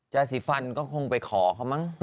สีฟันก็คงไปขอเขามั้ง